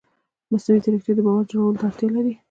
مصنوعي ځیرکتیا د باور جوړولو ته اړتیا لري.